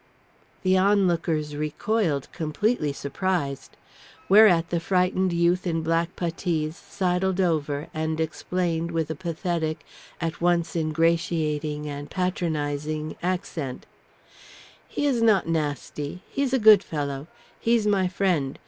The onlookers recoiled, completely surprised. Whereat the frightened youth in black puttees sidled over and explained with a pathetic, at once ingratiating and patronising, accent: "He is not nasty. He's a good fellow. He's my friend.